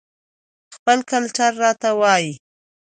خپل کلچر راته وايى